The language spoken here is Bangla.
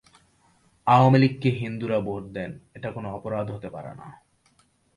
আওয়ামী লীগকে হিন্দুরা ভোট দেন, এটা কোনো অপরাধ হতে পারে না।